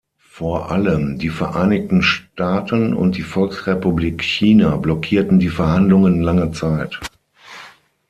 Vor allem die Vereinigten Staaten und die Volksrepublik China blockierten die Verhandlungen lange Zeit.